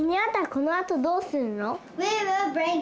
このあとどうするの？